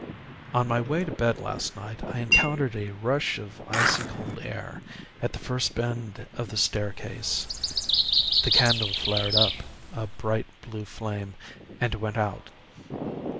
_ On my way to bed last night I encountered a rush of icy cold air at the first bend of the staircase. The candle flared up, a bright blue flame, and went out.